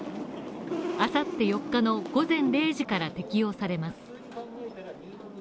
明後日４日の午前０時から適用されます。